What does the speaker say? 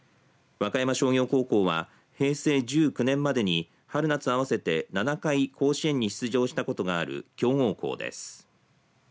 和歌山商業高校は平成１９年までに春夏合わせて７回甲子園に出場したことがある強豪校です。